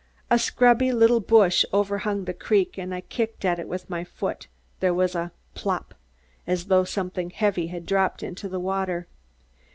A scrubby, little bush overhung the creek and I kicked at it with my foot. There was a "plopp" as though something heavy had dropped into the water.